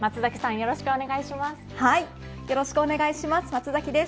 よろしくお願いします。